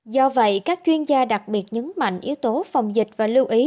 do vậy các chuyên gia đặc biệt nhấn mạnh yếu tố phòng dịch và lưu ý